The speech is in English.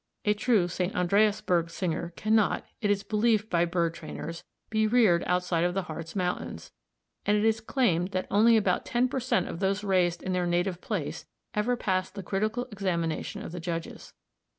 A true St. Andreasberg singer cannot, it is believed by bird trainers, be reared outside of the Hartz Mountains, and it is claimed that only about ten per cent of those raised in their native place ever pass the critical examination of the judges.